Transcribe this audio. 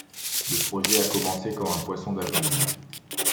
Le projet a commencé comme un poisson d'avril.